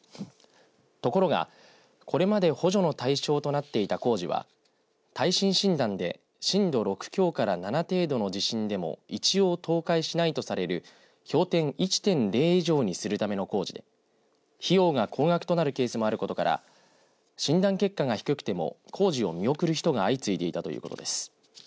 ところがこれまで補助の対象となっていた工事は耐震診断で震度６強から７程度の地震でも一応倒壊しないとされる評点１．０以上にするための工事で費用が高額となるケースもあることから診断結果が低くても工事を見送る人が相次いでいたということです。